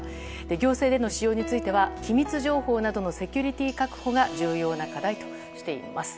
行政での使用については機密情報などのセキュリティー確保が重要な課題としています。